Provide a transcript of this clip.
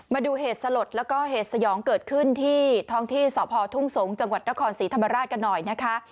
มาดูเหตุสลดแล้วก็เหตุสยองเกิดขึ้นที่ท้องที่สพทุ่งสงศ์จังหวัดนครศรีธรรมราชกันหน่อยนะคะ